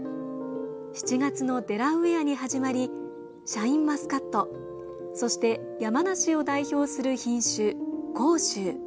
７月のデラウェアに始まりシャインマスカットそして山梨を代表する品種「甲州」。